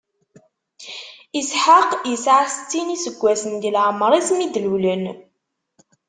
Isḥaq isɛa settin n iseggasen di lɛemṛ-is, mi d-lulen.